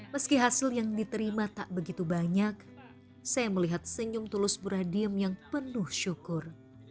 meski hasil yang diterima tak begitu banyak saya melihat senyum tulus bu radiem yang penuh syukur